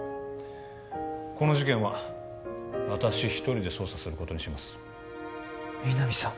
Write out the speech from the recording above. この事件は私一人で捜査することにします皆実さん